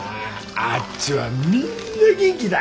あっちはみんな元気だ。